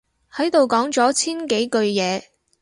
喺度講咗千幾句嘢